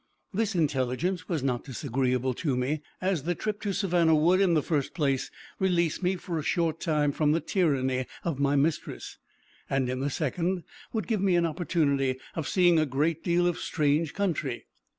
This intelligence was not disagreeable to me, as the trip to Savannah would, in the first place, release me for a short time from the tyranny of my mistress, and in the second, would give me an opportunity of seeing a great deal of strange country.